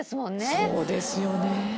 そうですよね。